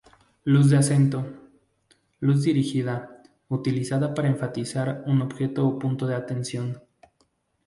Luz de acento: Luz dirigida, utilizada para enfatizar un objeto o punto de atención.